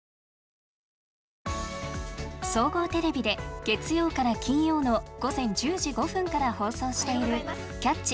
総合テレビで月曜から金曜の午前１０時５分から放送している「キャッチ！